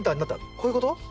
こういうこと？